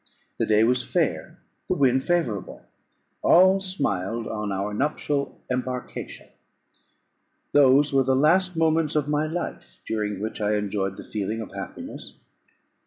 The day was fair, the wind favourable, all smiled on our nuptial embarkation. Those were the last moments of my life during which I enjoyed the feeling of happiness.